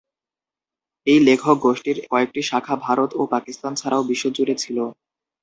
এই লেখক গোষ্ঠীর কয়েকটি শাখা ভারত ও পাকিস্তান ছাড়াও বিশ্বজুড়ে ছিল।